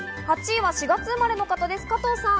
８位は４月生まれの方、加藤さん。